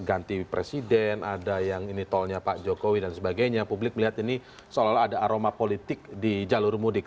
ganti presiden ada yang ini tolnya pak jokowi dan sebagainya publik melihat ini seolah olah ada aroma politik di jalur mudik